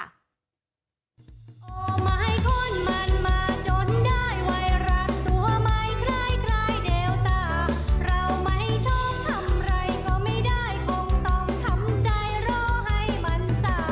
ให้มันสามารถ